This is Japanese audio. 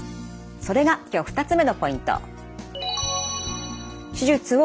それが今日２つ目のポイント。